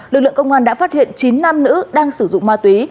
lực lượng công an đã phát hiện chín nam nữ đang sử dụng ma túy